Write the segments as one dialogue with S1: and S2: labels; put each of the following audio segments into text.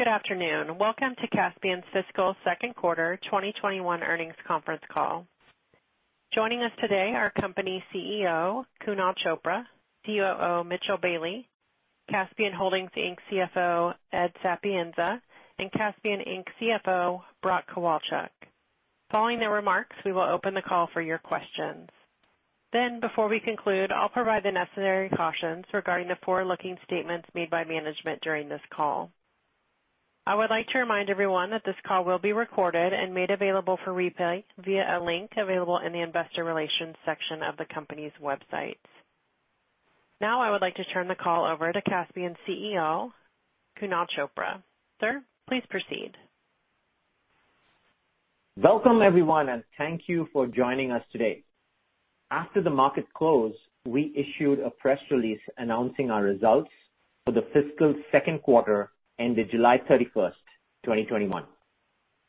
S1: Good afternoon. Welcome to Kaspien's fiscal second quarter 2021 earnings conference call. Joining us today are company CEO, Kunal Chopra, COO, Mitchell Bailey, Kaspien Holdings Inc CFO, Ed Sapienza, and Kaspien Inc CFO, Brock Kowalchuk. Following their remarks, we will open the call for your questions. Before we conclude, I'll provide the necessary cautions regarding the forward-looking statements made by management during this call. I would like to remind everyone that this call will be recorded and made available for replay via a link available in the investor relations section of the company's website. Now I would like to turn the call over to Kaspien's CEO, Kunal Chopra. Sir, please proceed.
S2: Welcome, everyone, and thank you for joining us today. After the market close, we issued a press release announcing our results for the fiscal second quarter ended July 31st, 2021.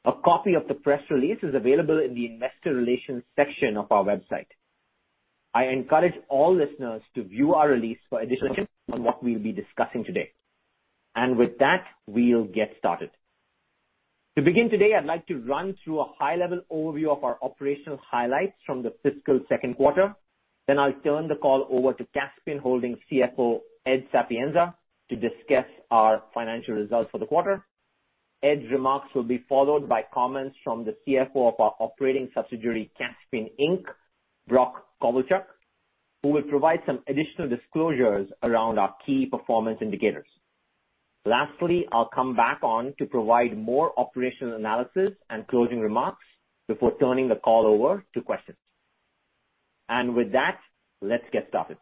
S2: A copy of the press release is available in the investor relations section of our website. I encourage all listeners to view our release for additional on what we'll be discussing today. With that, we'll get started. To begin today, I'd like to run through a high-level overview of our operational highlights from the fiscal second quarter. Then I'll turn the call over to Kaspien Holdings CFO, Ed Sapienza, to discuss our financial results for the quarter. Ed's remarks will be followed by comments from the CFO of our operating subsidiary, Kaspien Inc, Brock Kowalchuk, who will provide some additional disclosures around our key performance indicators. Lastly, I'll come back on to provide more operational analysis and closing remarks before turning the call over to questions. With that, let's get started.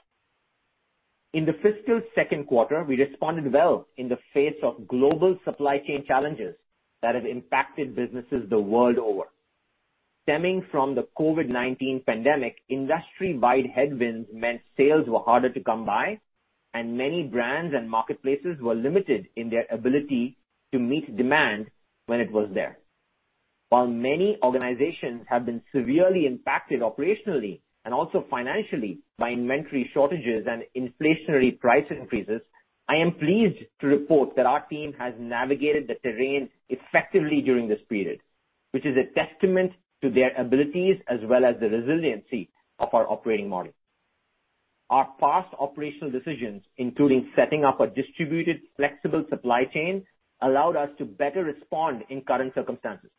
S2: In the fiscal second quarter, we responded well in the face of global supply chain challenges that have impacted businesses the world over. Stemming from the COVID-19 pandemic, industry-wide headwinds meant sales were harder to come by and many brands and marketplaces were limited in their ability to meet demand when it was there. While many organizations have been severely impacted operationally and also financially by inventory shortages and inflationary price increases, I am pleased to report that our team has navigated the terrain effectively during this period, which is a testament to their abilities as well as the resiliency of our operating model. Our past operational decisions, including setting up a distributed, flexible supply chain, allowed us to better respond in current circumstances.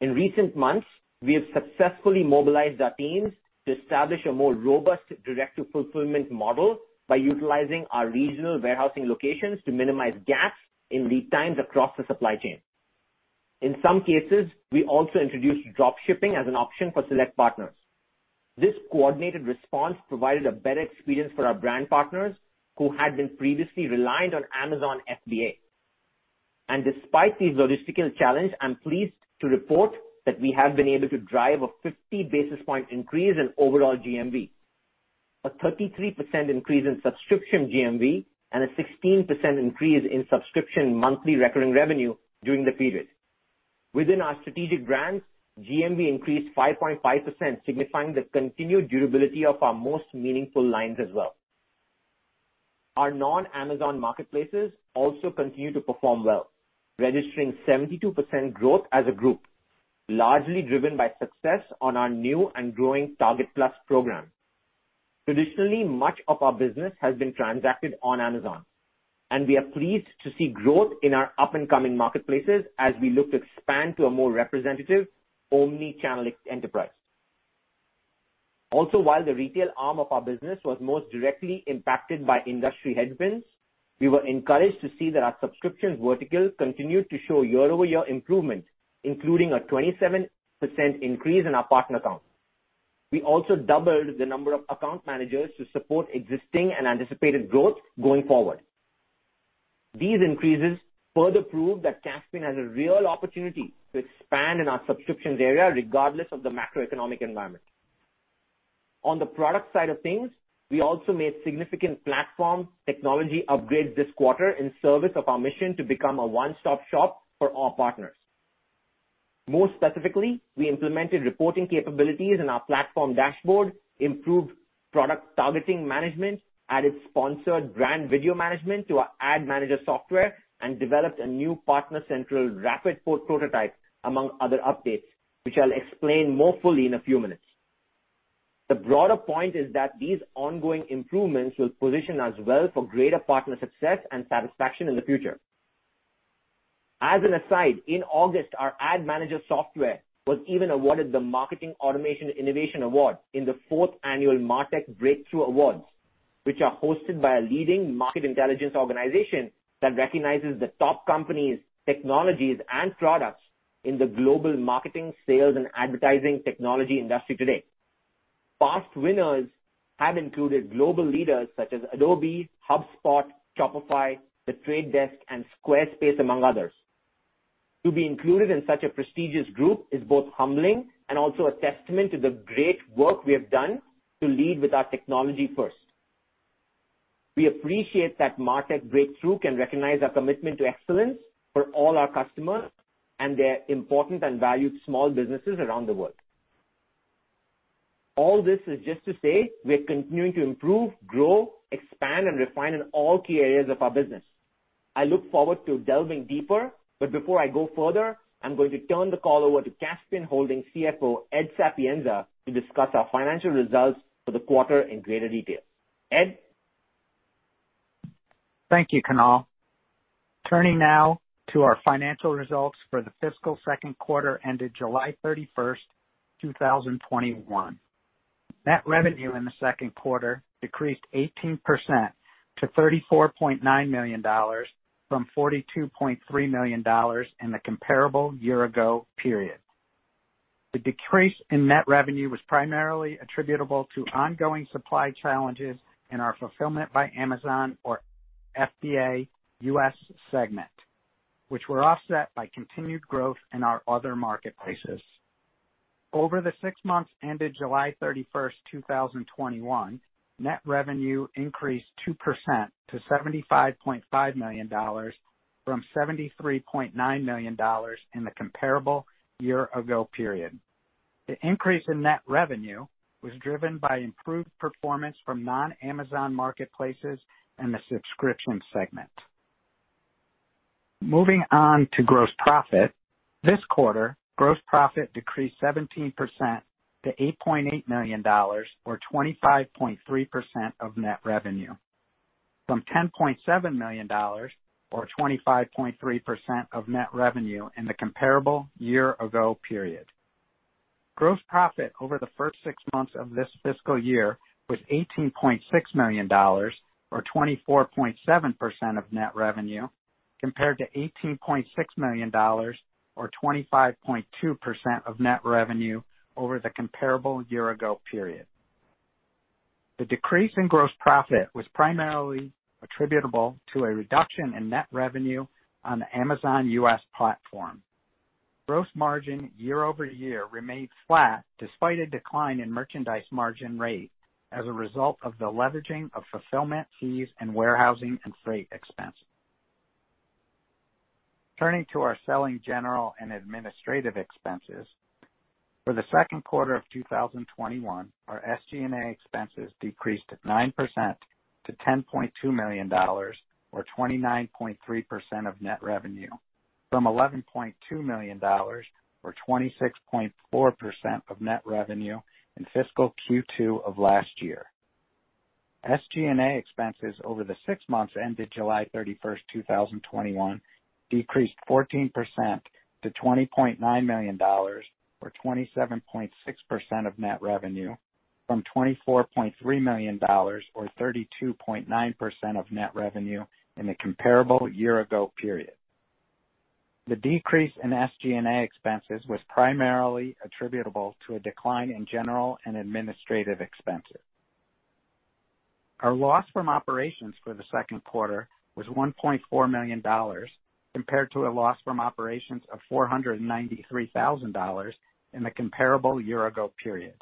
S2: In recent months, we have successfully mobilized our teams to establish a more robust direct-to-fulfillment model by utilizing our regional warehousing locations to minimize gaps in lead times across the supply chain. In some cases, we also introduced drop shipping as an option for select partners. This coordinated response provided a better experience for our brand partners who had been previously reliant on Amazon FBA. Despite these logistical challenges, I'm pleased to report that we have been able to drive a 50 basis point increase in overall GMV, a 33% increase in subscription GMV, and a 16% increase in subscription monthly recurring revenue during the period. Within our strategic brands, GMV increased 5.5%, signifying the continued durability of our most meaningful lines as well. Our non-Amazon marketplaces also continue to perform well, registering 72% growth as a group, largely driven by success on our new and growing Target Plus program. Traditionally, much of our business has been transacted on Amazon, and we are pleased to see growth in our up-and-coming marketplaces as we look to expand to a more representative omni-channel enterprise. Also, while the retail arm of our business was most directly impacted by industry headwinds, we were encouraged to see that our subscriptions vertical continued to show year-over-year improvement, including a 27% increase in our partner count. We also doubled the number of account managers to support existing and anticipated growth going forward. These increases further prove that Kaspien has a real opportunity to expand in our subscriptions area, regardless of the macroeconomic environment. On the product side of things, we also made significant platform technology upgrades this quarter in service of our mission to become a one-stop shop for all partners. More specifically, we implemented reporting capabilities in our platform dashboard, improved product targeting management, added sponsored brand video management to our AdManager software, and developed a new partner central Rapid Prototype, among other updates, which I'll explain more fully in a few minutes. The broader point is that these ongoing improvements will position us well for greater partner success and satisfaction in the future. As an aside, in August, our AdManager software was even awarded the Marketing Automation Innovation Award in the fourth annual MarTech Breakthrough Awards, which are hosted by a leading market intelligence organization that recognizes the top companies, technologies, and products in the global marketing, sales, and advertising technology industry today. Past winners have included global leaders such as Adobe, HubSpot, Shopify, The Trade Desk, and Squarespace, among others. To be included in such a prestigious group is both humbling and also a testament to the great work we have done to lead with our technology first. We appreciate that MarTech Breakthrough can recognize our commitment to excellence for all our customers and their important and valued small businesses around the world. All this is just to say we're continuing to improve, grow, expand, and refine in all key areas of our business. I look forward to delving deeper, but before I go further, I'm going to turn the call over to Kaspien Holdings CFO, Ed Sapienza, to discuss our financial results for the quarter in greater detail. Ed?
S3: Thank you, Kunal. Turning now to our financial results for the fiscal second quarter ended July 31st, 2021. Net revenue in the second quarter decreased 18% to $34.9 million from $42.3 million in the comparable year ago period. The decrease in net revenue was primarily attributable to ongoing supply challenges in our Fulfillment by Amazon, or FBA US segment, which were offset by continued growth in our other marketplaces. Over the six months ended July 31st, 2021, net revenue increased 2% to $75.5 million from $73.9 million in the comparable year ago period. The increase in net revenue was driven by improved performance from non-Amazon marketplaces and the subscription segment. Moving on to gross profit. This quarter, gross profit decreased 17% to $8.8 million, or 25.3% of net revenue, from $10.7 million, or 25.3% of net revenue in the comparable year ago period. Gross profit over the first six months of this fiscal year was $18.6 million, or 24.7% of net revenue, compared to $18.6 million, or 25.2% of net revenue over the comparable year-ago period. The decrease in gross profit was primarily attributable to a reduction in net revenue on the Amazon U.S. platform. Gross margin year-over-year remained flat despite a decline in merchandise margin rate as a result of the leveraging of fulfillment fees and warehousing and freight expense. Turning to our selling, general and administrative expenses. For the second quarter of 2021, our SG&A expenses decreased 9% to $10.2 million, or 29.3% of net revenue, from $11.2 million, or 26.4% of net revenue in fiscal Q2 of last year. SG&A expenses over the six months ended July 31st 2021 decreased 14% to $20.9 million, or 27.6% of net revenue, from $24.3 million, or 32.9% of net revenue in the comparable year ago period. The decrease in SG&A expenses was primarily attributable to a decline in general and administrative expenses. Our loss from operations for the second quarter was $1.4 million, compared to a loss from operations of $493,000 in the comparable year ago period.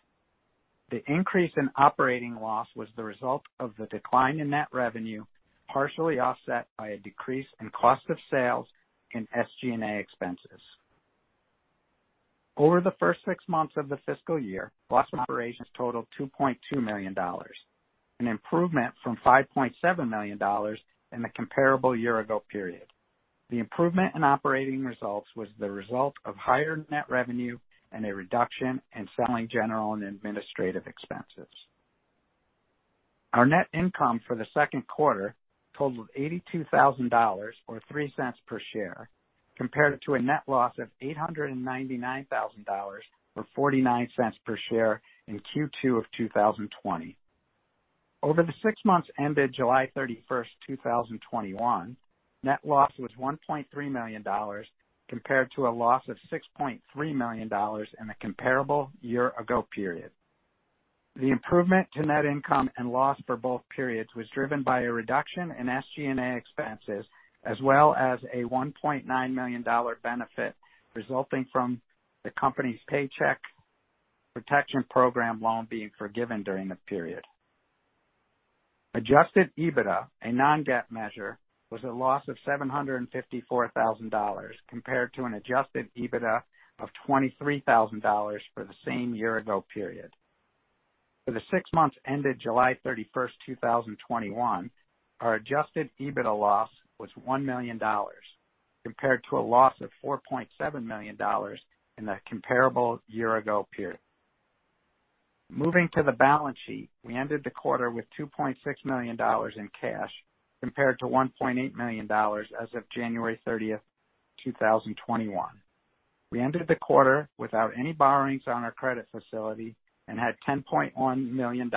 S3: The increase in operating loss was the result of the decline in net revenue, partially offset by a decrease in cost of sales and SG&A expenses. Over the first six months of the fiscal year, loss from operations totaled $2.2 million, an improvement from $5.7 million in the comparable year ago period. The improvement in operating results was the result of higher net revenue and a reduction in selling, general, and administrative expenses. Our net income for the second quarter totaled $82,000, or $0.03 per share, compared to a net loss of $899,000, or $0.49 per share in Q2 of 2020. Over the six months ended July 31st, 2021, net loss was $1.3 million, compared to a loss of $6.3 million in the comparable year-ago period. The improvement to net income and loss for both periods was driven by a reduction in SG&A expenses, as well as a $1.9 million benefit resulting from the company's Paycheck Protection Program loan being forgiven during the period. Adjusted EBITDA, a non-GAAP measure, was a loss of $754,000, compared to an adjusted EBITDA of $23,000 for the same year-ago period. For the six months ended July 31st, 2021, our Adjusted EBITDA loss was $1 million, compared to a loss of $4.7 million in the comparable year-ago period. Moving to the balance sheet, we ended the quarter with $2.6 million in cash, compared to $1.8 million as of January 30th, 2021. We ended the quarter without any borrowings on our credit facility and had $10.1 million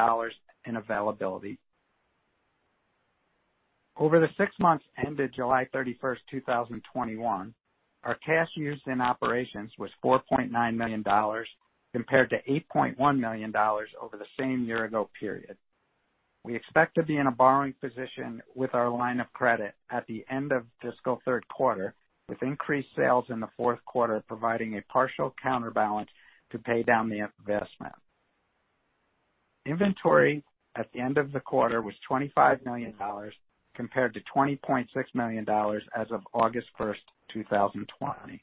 S3: in availability. Over the six months ended July 31st, 2021, our cash used in operations was $4.9 million, compared to $8.1 million over the same year ago period. We expect to be in a borrowing position with our line of credit at the end of fiscal third quarter, with increased sales in the fourth quarter, providing a partial counterbalance to pay down the investment. Inventory at the end of the quarter was $25 million compared to $20.6 million as of August 1st, 2020.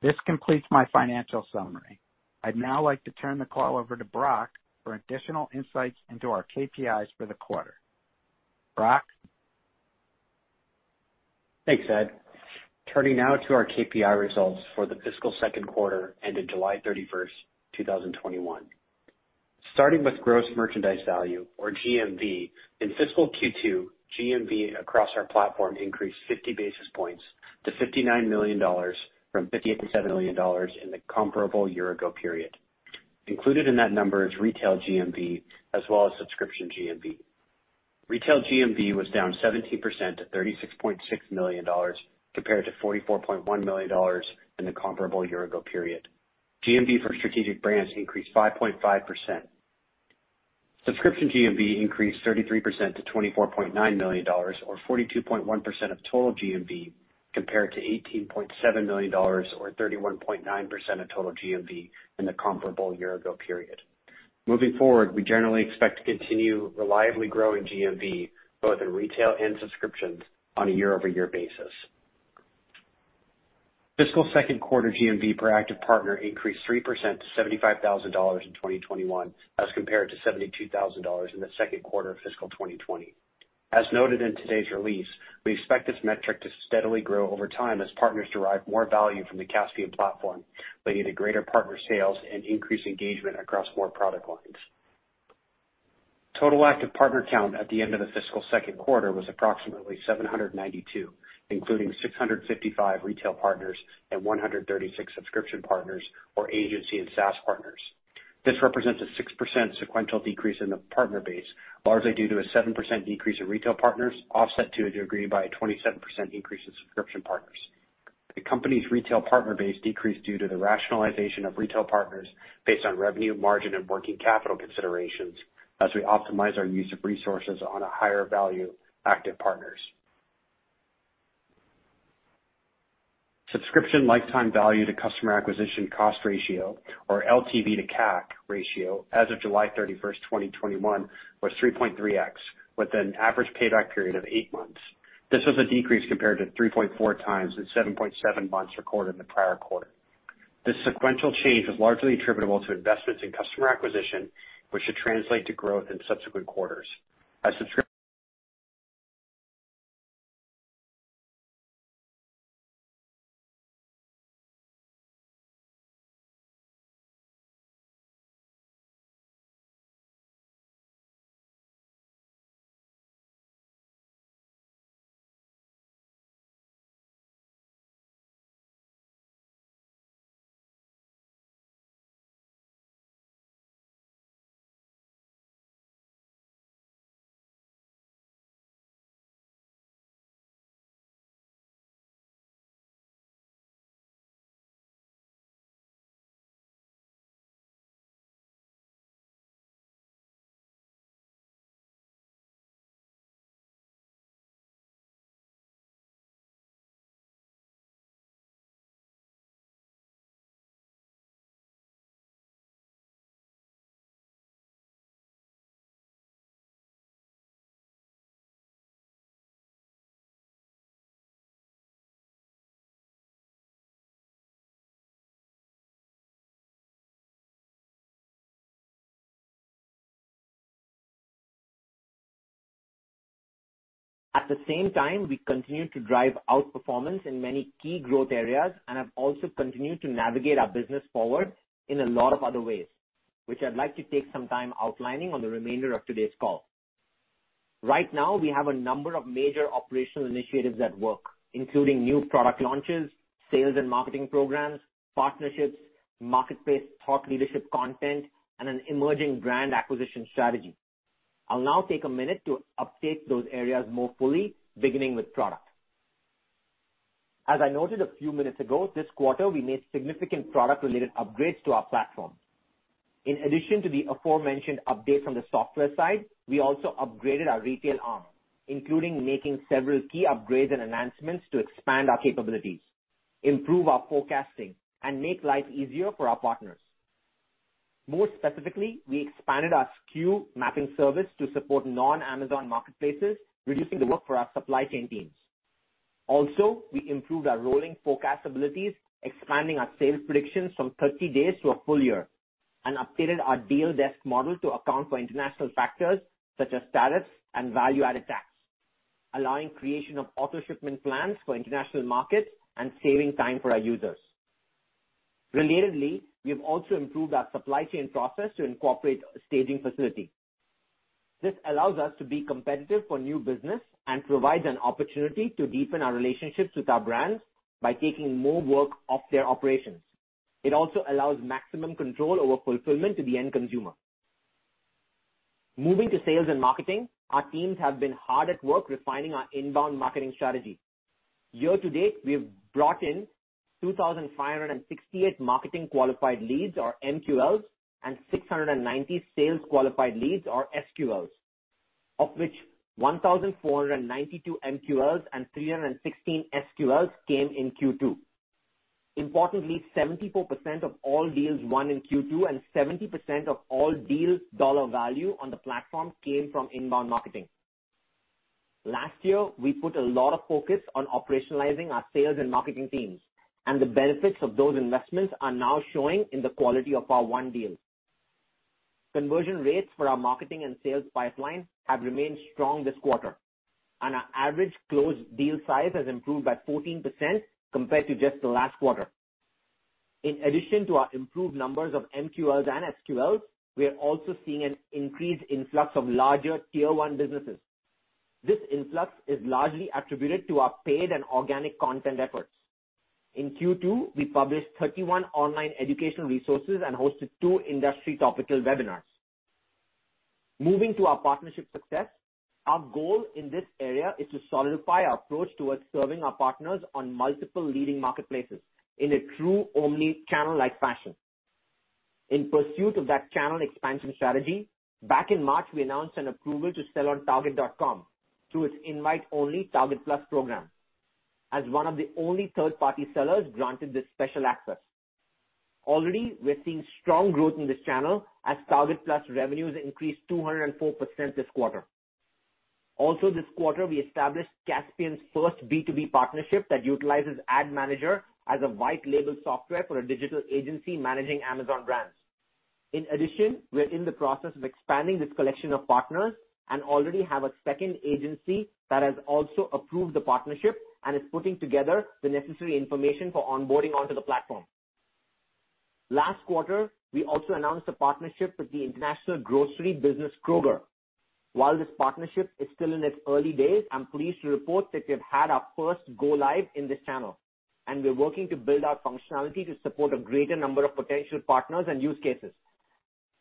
S3: This completes my financial summary. I'd now like to turn the call over to Brock for additional insights into our KPIs for the quarter. Brock?
S4: Thanks, Ed. Turning now to our KPI results for the fiscal second quarter ended July 31st, 2021. Starting with gross merchandise value, or GMV, in fiscal Q2, GMV across our platform increased 50 basis points to $59 million from $57 million in the comparable year-ago period. Included in that number is retail GMV as well as subscription GMV. Retail GMV was down 17% to $36.6 million, compared to $44.1 million in the comparable year-ago period. GMV for strategic brands increased 5.5%. Subscription GMV increased 33% to $24.9 million or 42.1% of total GMV, compared to $18.7 million or 31.9% of total GMV in the comparable year-ago period. Moving forward, we generally expect to continue reliably growing GMV both in retail and subscriptions on a year-over-year basis. Fiscal second quarter GMV per active partner increased 3% to $75,000 in 2021 as compared to $72,000 in the second quarter of fiscal 2020. As noted in today's release, we expect this metric to steadily grow over time as partners derive more value from the Kaspien platform, leading to greater partner sales and increased engagement across more product lines. Total active partner count at the end of the fiscal second quarter was approximately 792, including 655 retail partners and 136 subscription partners or agency and SaaS partners. This represents a 6% sequential decrease in the partner base, largely due to a 7% decrease in retail partners, offset to a degree by a 27% increase in subscription partners. The company's retail partner base decreased due to the rationalization of retail partners based on revenue margin and working capital considerations as we optimize our use of resources on a higher value active partners. Subscription lifetime value to customer acquisition cost ratio, LTV:CAC ratio, as of July 31st, 2021, was 3.3x with an average payback period of eight months. This was a decrease compared to 3.4x and 7.7 months recorded in the prior quarter. This sequential change was largely attributable to investments in customer acquisition, which should translate to growth in subsequent quarters.
S2: At the same time, we continue to drive outperformance in many key growth areas and have also continued to navigate our business forward in a lot of other ways, which I'd like to take some time outlining on the remainder of today's call. Right now, we have a number of major operational initiatives at work, including new product launches, sales and marketing programs, partnerships, marketplace thought leadership content, and an emerging brand acquisition strategy. I'll now take a minute to update those areas more fully, beginning with product. As I noted a few minutes ago, this quarter, we made significant product-related upgrades to our platform. In addition to the aforementioned updates on the software side, we also upgraded our retail arm, including making several key upgrades and enhancements to expand our capabilities, improve our forecasting, and make life easier for our partners. More specifically, we expanded our SKU mapping service to support non-Amazon marketplaces, reducing the work for our supply chain teams. We improved our rolling forecast abilities, expanding our sales predictions from 30 days to a full year, and updated our deal desk model to account for international factors such as tariffs and value-added tax, allowing creation of auto-shipment plans for international markets and saving time for our users. Relatedly, we have also improved our supply chain process to incorporate a staging facility. This allows us to be competitive for new business and provides an opportunity to deepen our relationships with our brands by taking more work off their operations. It also allows maximum control over fulfillment to the end consumer. Moving to sales and marketing, our teams have been hard at work refining our inbound marketing strategy. Year to date, we have brought in 2,568 marketing qualified leads, or MQLs, and 690 sales qualified leads or SQLs, of which 1,492 MQLs and 316 SQLs came in Q2. Importantly, 74% of all deals won in Q2 and 70% of all deals dollar value on the platform came from inbound marketing. Last year, we put a lot of focus on operationalizing our sales and marketing teams, and the benefits of those investments are now showing in the quality of our won deals. Conversion rates for our marketing and sales pipeline have remained strong this quarter, and our average closed deal size has improved by 14% compared to just the last quarter. In addition to our improved numbers of MQLs and SQLs, we are also seeing an increased influx of larger Tier 1 businesses. This influx is largely attributed to our paid and organic content efforts. In Q2, we published 31 online educational resources and hosted two industry topical webinars. Moving to our partnership success, our goal in this area is to solidify our approach towards serving our partners on multiple leading marketplaces in a true omni-channel-like fashion. In pursuit of that channel expansion strategy, back in March, we announced an approval to sell on target.com through its invite-only Target Plus program as one of the only third-party sellers granted this special access. Already, we're seeing strong growth in this channel as Target+ revenues increased 204% this quarter. Also this quarter, we established Kaspien's first B2B partnership that utilizes AdManager as a white label software for a digital agency managing Amazon brands. In addition, we're in the process of expanding this collection of partners and already have a second agency that has also approved the partnership and is putting together the necessary information for onboarding onto the platform. Last quarter, we also announced a partnership with the international grocery business, Kroger. While this partnership is still in its early days, I'm pleased to report that we have had our first go live in this channel, and we're working to build out functionality to support a greater number of potential partners and use cases.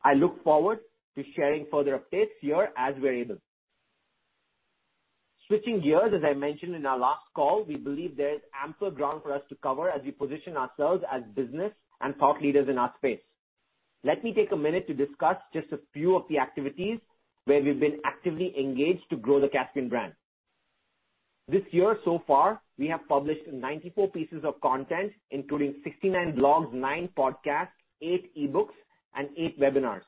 S2: I look forward to sharing further updates here as we're able. Switching gears, as I mentioned in our last call, we believe there is ample ground for us to cover as we position ourselves as business and thought leaders in our space. Let me take a minute to discuss just a few of the activities where we've been actively engaged to grow the Kaspien brand. This year so far, we have published 94 pieces of content, including 69 blogs, nine podcasts, eight e-books, and eight webinars.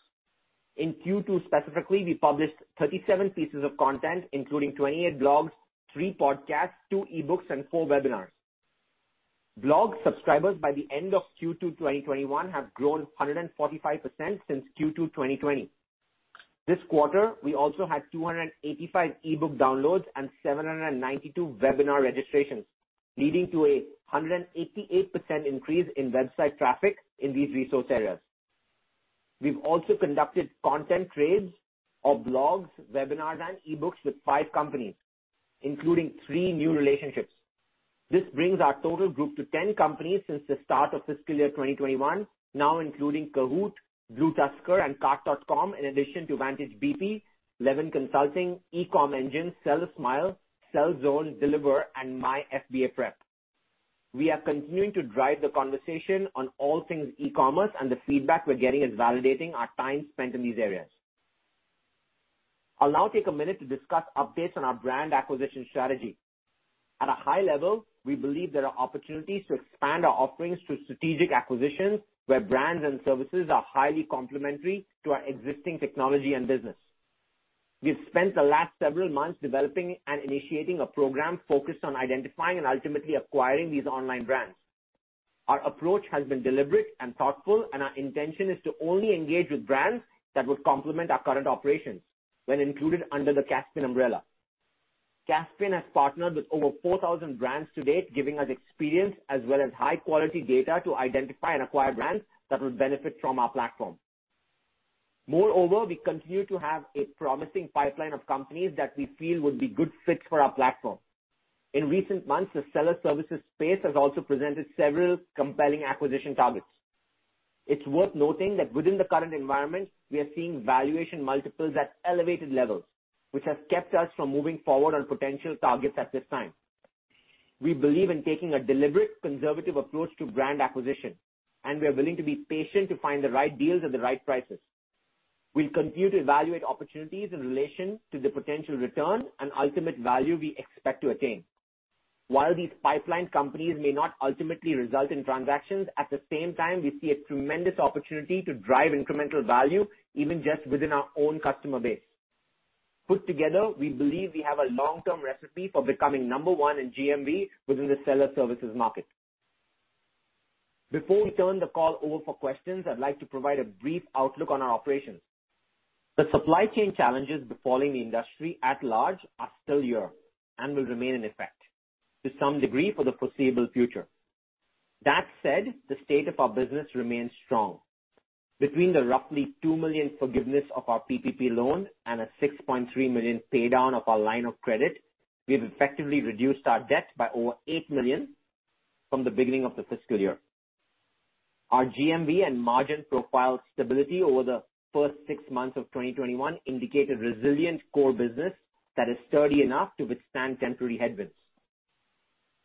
S2: In Q2 specifically, we published 37 pieces of content, including 28 blogs, three podcasts, two e-books, and four webinars. Blog subscribers by the end of Q2 2021 have grown 145% since Q2 2020. This quarter, we also had 285 e-book downloads and 792 webinar registrations, leading to a 188% increase in website traffic in these resource areas. We've also conducted content trades of blogs, webinars, and e-books with five companies, including three new relationships. This brings our total group to 10 companies since the start of fiscal year 2021, now including Kahoot!, BlueTuskr, and Cart.com, in addition to VantageBP, Levin Consulting, eComEngine, SellerSmile, Sellzone, Deliverr, and MyFBAPrep. We are continuing to drive the conversation on all things e-commerce, and the feedback we're getting is validating our time spent in these areas. I'll now take a minute to discuss updates on our brand acquisition strategy. At a high level, we believe there are opportunities to expand our offerings through strategic acquisitions where brands and services are highly complementary to our existing technology and business. We've spent the last several months developing and initiating a program focused on identifying and ultimately acquiring these online brands. Our approach has been deliberate and thoughtful, and our intention is to only engage with brands that would complement our current operations when included under the Kaspien umbrella. Kaspien has partnered with over 4,000 brands to date, giving us experience as well as high-quality data to identify and acquire brands that will benefit from our platform. Moreover, we continue to have a promising pipeline of companies that we feel would be good fits for our platform. In recent months, the seller services space has also presented several compelling acquisition targets. It's worth noting that within the current environment, we are seeing valuation multiples at elevated levels, which has kept us from moving forward on potential targets at this time. We believe in taking a deliberate, conservative approach to brand acquisition, and we are willing to be patient to find the right deals at the right prices. We'll continue to evaluate opportunities in relation to the potential return and ultimate value we expect to attain. While these pipeline companies may not ultimately result in transactions, at the same time, we see a tremendous opportunity to drive incremental value even just within our own customer base. Put together, we believe we have a long-term recipe for becoming number one in GMV within the seller services market. Before we turn the call over for questions, I'd like to provide a brief outlook on our operations. The supply chain challenges befalling the industry at large are still here and will remain in effect to some degree for the foreseeable future. That said, the state of our business remains strong. Between the roughly $2 million forgiveness of our PPP loan and a $6.3 million paydown of our line of credit, we've effectively reduced our debt by over $8 million from the beginning of the fiscal year. Our GMV and margin profile stability over the first six months of 2021 indicate a resilient core business that is sturdy enough to withstand temporary headwinds.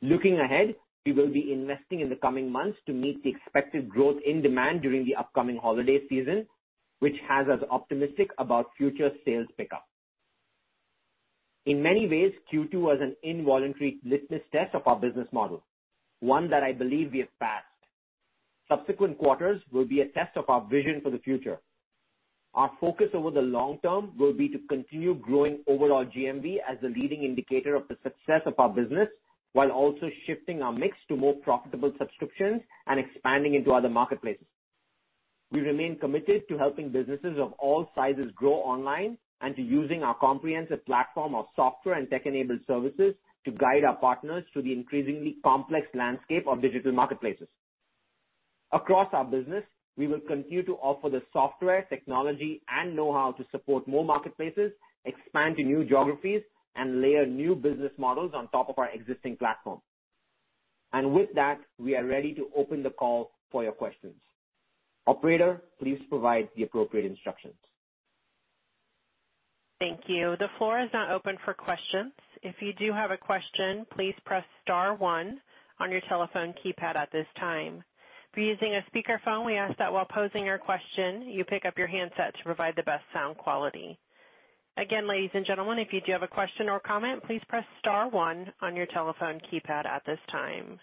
S2: Looking ahead, we will be investing in the coming months to meet the expected growth in demand during the upcoming holiday season, which has us optimistic about future sales pickup. In many ways, Q2 was an involuntary litmus test of our business model, one that I believe we have passed. Subsequent quarters will be a test of our vision for the future. Our focus over the long term will be to continue growing overall GMV as the leading indicator of the success of our business, while also shifting our mix to more profitable subscriptions and expanding into other marketplaces. We remain committed to helping businesses of all sizes grow online and to using our comprehensive platform of software and tech-enabled services to guide our partners through the increasingly complex landscape of digital marketplaces. Across our business, we will continue to offer the software, technology, and know-how to support more marketplaces, expand to new geographies, and layer new business models on top of our existing platform. With that, we are ready to open the call for your questions. Operator, please provide the appropriate instructions.
S1: Thank you. The floor is now open for questions. If you do have a question, please press star one on your telephone keypad at this time. If you're using a speakerphone, we ask that while posing your question, you pick up your handset to provide the best sound quality. Again, ladies and gentlemen, if you do have a question or comment, please press star one on your telephone keypad at this time.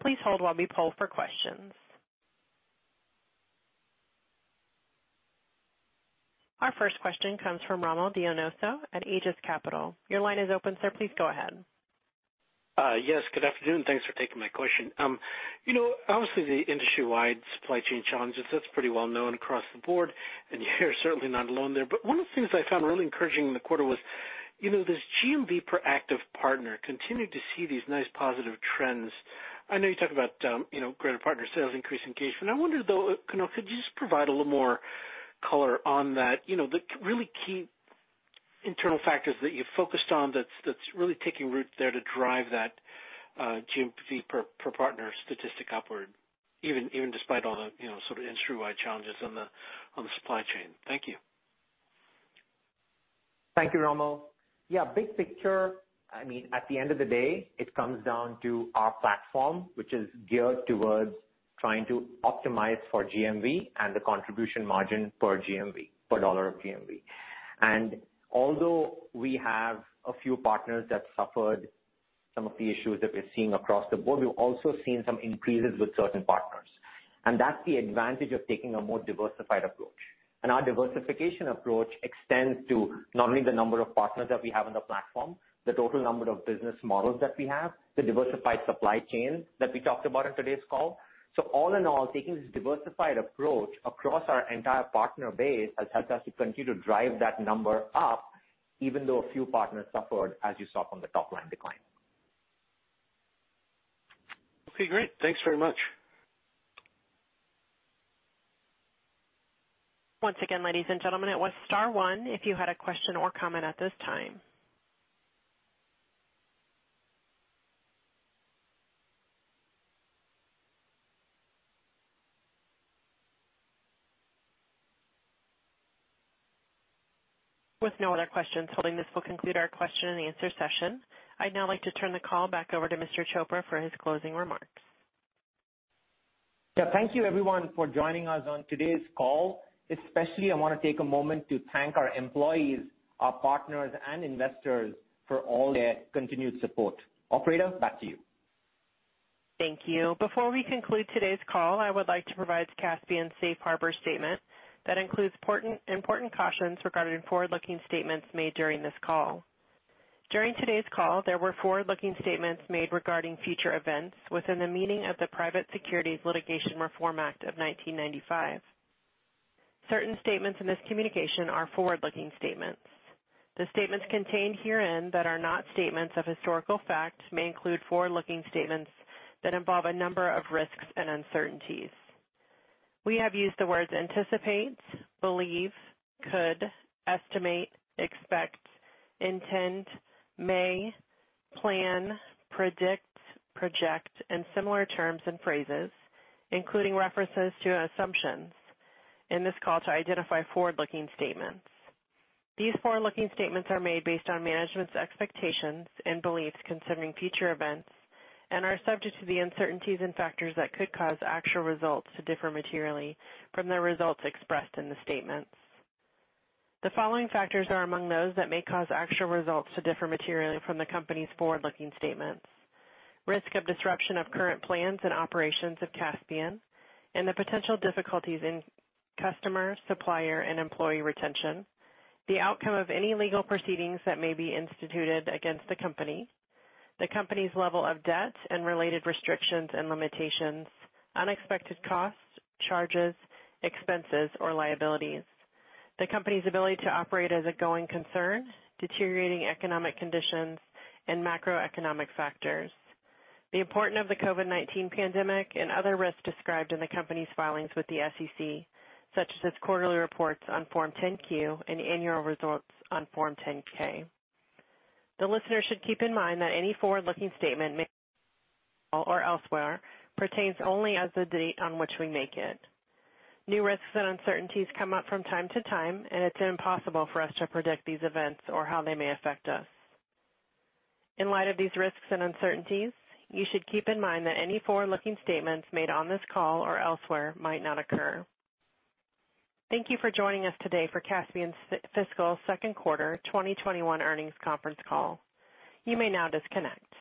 S1: Please hold while we poll for questions. Our first question comes from Rommel Dionisio at Aegis Capital. Your line is open, sir. Please go ahead.
S5: Yes, good afternoon. Thanks for taking my question. Obviously, the industry-wide supply chain challenges, that's pretty well known across the board, and you're certainly not alone there. One of the things I found really encouraging in the quarter was this GMV per active partner continued to see these nice positive trends. I know you talk about greater partner sales, increased engagement. I wonder, though, Kunal, could you just provide a little more color on that, the really key internal factors that you focused on that's really taking root there to drive that GMV per partner statistic upward, even despite all the sort of industry-wide challenges on the supply chain? Thank you.
S2: Thank you, Rommel. Yeah, big picture, at the end of the day, it comes down to our platform, which is geared towards trying to optimize for GMV and the contribution margin per dollar of GMV. Although we have a few partners that suffered some of the issues that we're seeing across the board, we've also seen some increases with certain partners. That's the advantage of taking a more diversified approach. Our diversification approach extends to not only the number of partners that we have on the platform, the total number of business models that we have, the diversified supply chain that we talked about on today's call. All in all, taking this diversified approach across our entire partner base has helped us to continue to drive that number up, even though a few partners suffered, as you saw from the top-line decline.
S5: Okay, great. Thanks very much.
S1: Once again, ladies and gentlemen, it was star one if you had a question or comment at this time. With no other questions, holding, this will conclude our question and answer session. I'd now like to turn the call back over to Mr. Chopra for his closing remarks.
S2: Yeah. Thank you, everyone, for joining us on today's call. Especially, I want to take a moment to thank our employees, our partners, and investors for all their continued support. Operator, back to you.
S1: Thank you. Before we conclude today's call, I would like to provide Kaspien's safe harbor statement that includes important cautions regarding forward-looking statements made during this call. During today's call, there were forward-looking statements made regarding future events within the meaning of the Private Securities Litigation Reform Act of 1995. Certain statements in this communication are forward-looking statements. The statements contained herein that are not statements of historical fact may include forward-looking statements that involve a number of risks and uncertainties. We have used the words anticipate, believe, could, estimate, expect, intend, may, plan, predict, project, and similar terms and phrases, including references to assumptions, in this call to identify forward-looking statements. These forward-looking statements are made based on management's expectations and beliefs concerning future events and are subject to the uncertainties and factors that could cause actual results to differ materially from the results expressed in the statements. The following factors are among those that may cause actual results to differ materially from the company's forward-looking statements. Risk of disruption of current plans and operations of Kaspien, and the potential difficulties in customer, supplier, and employee retention, the outcome of any legal proceedings that may be instituted against the company, the company's level of debt and related restrictions and limitations, unexpected costs, charges, expenses, or liabilities, the company's ability to operate as a going concern, deteriorating economic conditions, and macroeconomic factors. The importance of the COVID-19 pandemic and other risks described in the company's filings with the SEC, such as its quarterly reports on Form 10-Q and annual results on Form 10-K. The listener should keep in mind that any forward-looking statement made, on this call or elsewhere, pertains only as of the date on which we make it. New risks and uncertainties come up from time to time, and it's impossible for us to predict these events or how they may affect us. In light of these risks and uncertainties, you should keep in mind that any forward-looking statements made on this call or elsewhere might not occur. Thank you for joining us today for Kaspien's fiscal second quarter 2021 earnings conference call. You may now disconnect.